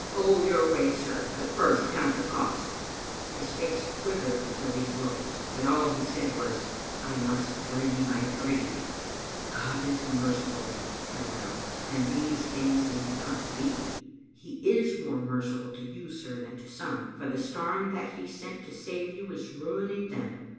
Go your way, sir; but first count the cost." His face quivered before these blows, but all he said was, " I must dree my dreed." Digitized by VjOOQ IC Sbe (3ten at Jireah of t>^^. iM " God is merciful/' I went on, " and these things need not be. He is more merciful to you, sir, than to some, for the storm that He sent to save you is ruining them.